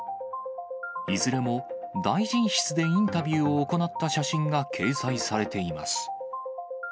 いずれも大臣室でインタビューを行った写真が掲載されています。